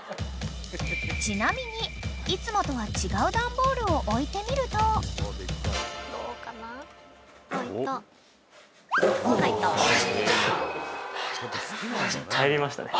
［ちなみにいつもとは違うダンボールを置いてみると］入りましたね。